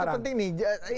nah itu penting nih